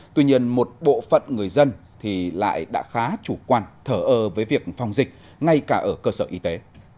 tuy nhiên một bộ phận người dân thì lại đã khá chủ quan thở ơ với việc phòng dịch ngay cả ở cơ sở y tế